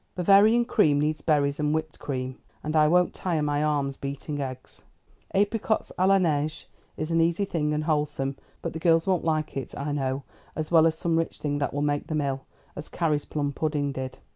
Bavarian cream needs berries and whipped cream, and I won't tire my arms beating eggs. Apricots à la Neige is an easy thing and wholesome, but the girls won't like it, I know, as well as some rich thing that will make them ill, as Carrie's plum pudding did.